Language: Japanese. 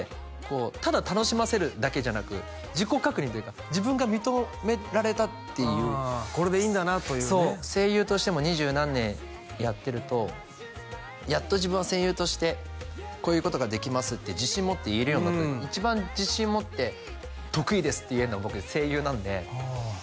ただ楽しませるだけじゃなく自己確認というか自分が認められたっていうこれでいいんだなというねそう声優としても二十何年やってるとやっと自分は声優としてこういうことができますって自信持って言えるようになった一番自信持って得意ですって言えるのは僕声優なんでああ